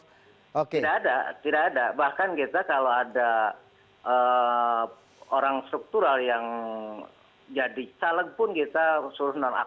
tidak ada bahkan kita kalau ada orang struktural yang jadi caleg pun kita suruh non aktif